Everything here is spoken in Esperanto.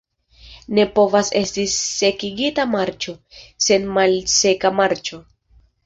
Ne povas esti "sekigita marĉo" sen "malseka marĉo".